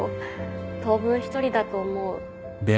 当分１人だと思う。